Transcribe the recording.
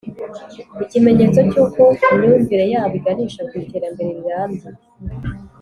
ikimenyetso cy uko imyumvire yabo iganisha ku iterambere rirambye